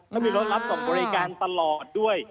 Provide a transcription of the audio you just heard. แล้วมีรถรับส่งบริการตลอดด้วย